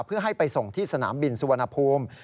เพื่อให้ไปส่งที่สนามบินสุวรรณภูมิ